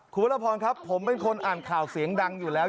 คุณวรพรครับผมเป็นคนอ่านข่าวเสียงดังอยู่แล้ว